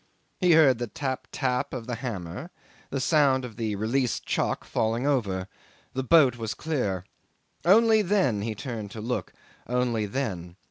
He heard the tap, tap of the hammer, the sound of the released chock falling over. The boat was clear. Only then he turned to look only then.